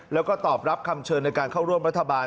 แล้วก็ตอบรับคำเชิญในการเข้าร่วมรัฐบาล